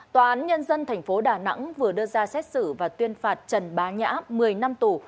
tòa án nhân dân tp đà nẵng vừa đưa ra xét xử và tuyên phạt trần bá nhã một mươi năm tù